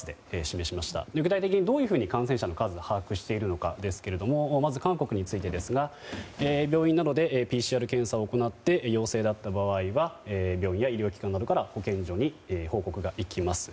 具体的にどういうふうに感染者の数を把握しているのかですがまず、韓国について病院などでＰＣＲ検査を行って陽性だった場合は病院や医療機関などから保健所に報告がいきます。